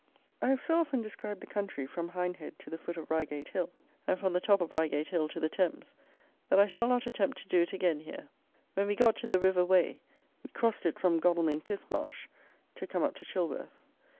I have so often described the country from Hindhead to the foot of Reigate Hill, and from the top of Reigate Hill to the Thames, that I shall not attempt to do it again here. When we got to the river Wey, we crossed it from Godalming Pismarsh to come up to Chilworth.